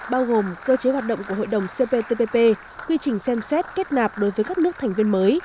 bao gồm cơ chế hoạt động của hội đồng cptpp quy trình xem xét kết nạp đối với các nước thành viên mới